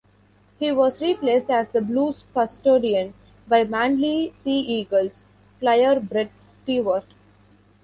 He was replaced as the Blues custodian by Manly Sea Eagles flyer Brett Stewart.